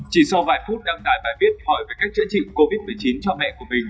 chỉ sau vài phút đăng tải bài viết hỏi về cách chữa trị covid một mươi chín cho mẹ của mình